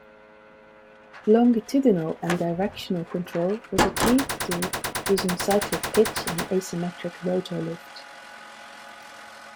Longitudinal and directional control was achieved using cyclic pitch and asymmetric rotor lift.